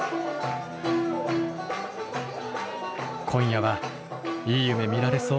今夜はいい夢見られそう。